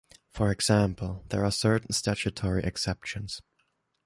For example, there are certain statutory exceptions.